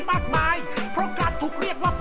มาจากหมู่บ้าน